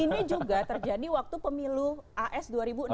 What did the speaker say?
ini juga terjadi waktu pemilu as dua ribu enam belas